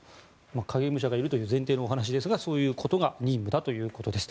影武者がいるという前提のお話ですがそういうことが任務だということです。